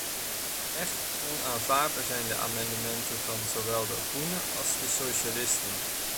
Echt onaanvaardbaar zijn de amendementen van zowel de groenen als de socialisten.